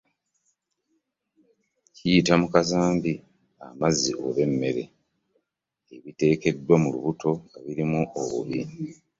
Kiyita mu kazambi, amazzi oba emmere, ebiteekeddwa mu lubuto nga birimu obubi